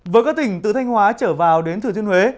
với các tỉnh từ thanh hóa trở vào đến thừa thiên huế